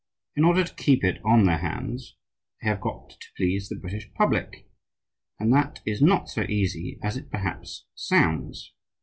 In order to keep it on their hands they have got to please the British public; and that is not so easy as it perhaps sounds.